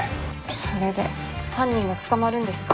それで犯人が捕まるんですか？